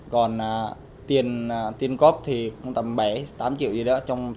còn tiền cốp thì tầm bảy tám triệu gì đó